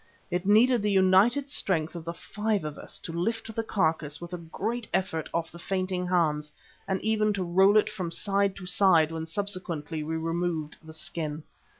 It needed the united strength of the five of us to lift the carcase with a great effort off the fainting Hans and even to roll it from side to side when subsequently we removed the skin.